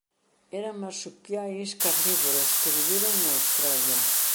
Eran marsupiais carnívoros que viviron en Australia.